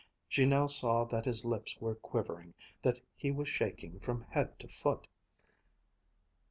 She now saw that his lips were quivering, that he was shaking from head to foot.